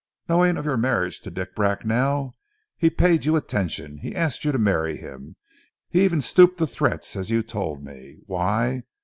Knowing of your marriage to Dick Bracknell, he paid you attention. He asked you to marry him. He even stooped to threats, as you told me. Why?